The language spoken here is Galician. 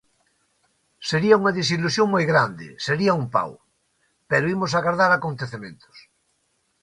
Sería unha desilusión moi grande, sería un pau; pero imos agardar acontecementos.